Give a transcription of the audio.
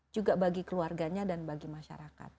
juga bagi keluarganya dan bagi masyarakat